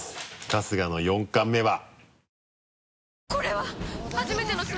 春日の４貫目は。